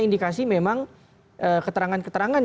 indikasi memang keterangan keterangan